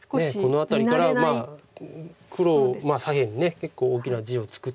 この辺りから黒左辺に結構大きな地を作って。